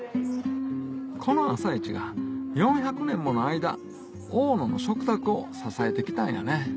この朝市が４００年もの間大野の食卓を支えて来たんやね